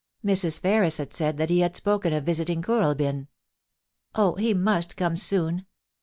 ... Mrs. Ferris had said that he had spoken of visiting Kooralbyn. Oh, he must come soon